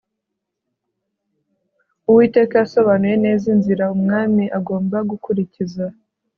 uwiteka yasobanuye neza inzira umwami agomba gukurikiza